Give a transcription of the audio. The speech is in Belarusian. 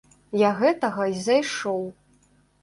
Я гэтага і зайшоў.